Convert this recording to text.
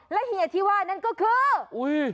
แล้วเฮียที่ไหวอันก็คือ